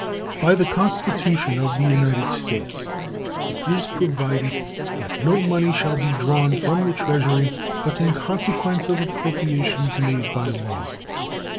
By the Constitution of the United States it is provided that "no money shall be drawn from the Treasury but in consequence of appropriations made by law."